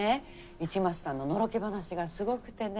市松さんののろけ話がすごくてね。